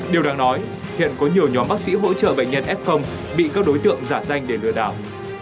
điều đáng nói hiện có nhiều nhóm bác sĩ hỗ trợ bệnh nhân f bị các đối tượng giả danh để lừa đảo